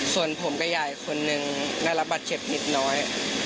ส่วนผมก็ยาอีกคนนึงได้รับบาดเจ็บนิดน้อย